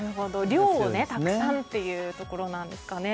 量をたくさんというところですかね。